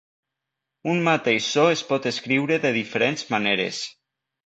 Un mateix so es pot escriure de diferents maneres.